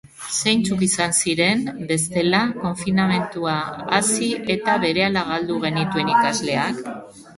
Zeintzuk izan ziren, bestela, konfinamendua hasi eta berehala galdu genituen ikasleak?